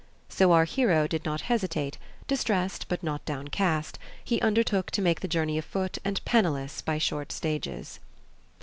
So our hero did not hesitate; distressed but not downcast, he undertook to make the journey afoot and penniless by short stages.